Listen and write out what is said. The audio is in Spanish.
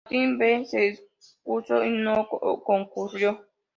Martin V se excusó y no concurrió.